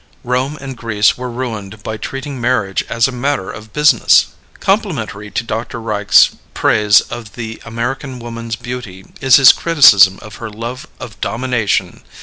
Rome and Greece were ruined by treating marriage as a matter of business. Complementary to Dr. Reich's praise of the American woman's beauty is his criticism of her love of domination.